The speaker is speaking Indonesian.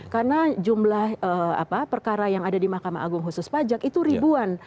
karena jumlah perkara yang ada di makam agung khusus pajak itu ribuan